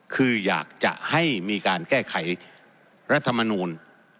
คืออยากจะให้มีการแก้ไขรัฐมนูล